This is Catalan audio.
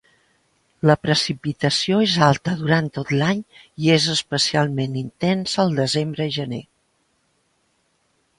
La precipitació és alta durant tot l'any, i és especialment intensa al desembre i gener.